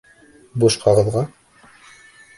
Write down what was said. Буш ҡағыҙға?